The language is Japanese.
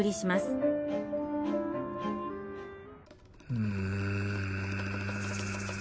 うん。